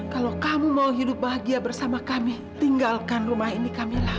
kalau kamu mau hidup bahagia bersama kami tinggalkan rumah ini kamilah